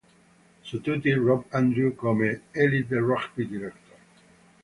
Su tutti Rob Andrew, come "Élite Rugby Director".